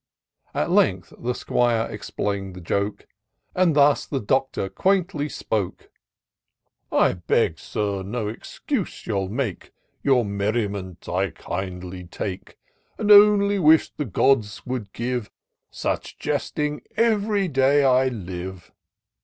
At length the 'Squire explained the joke ; When thus the Doctor quamtly spoke :—" I beg, Sir, no excuse you'll make, Your merriment I kindly take ; And only wish the gods would give Such jesting ev'ry day I live."